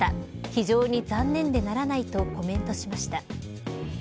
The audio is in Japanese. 非常に残念でならないとコメントしました